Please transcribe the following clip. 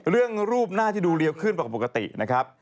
เรื่องรูปหน้าที่ดูเรียวขึ้นปกปกตินะครับ